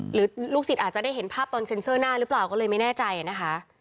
หรือลูกศิษย์อาจจะได้เห็นภาพตอนเซ็นเซอร์หน้าหรือเปล่าก็เลยไม่แน่ใจนะคะ